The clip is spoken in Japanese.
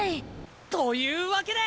というわけで。